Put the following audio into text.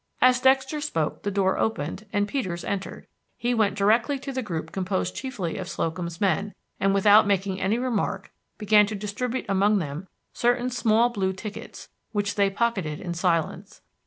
As Dexter spoke, the door opened and Peters entered. He went directly to the group composed chiefly of Slocum's men, and without making any remark began to distribute among them certain small blue tickets, which they pocketed in silence.